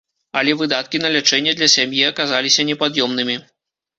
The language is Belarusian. Але выдаткі на лячэнне для сям'і аказаліся непад'ёмнымі.